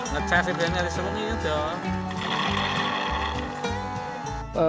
ngecas sebenarnya dari semuanya itu dong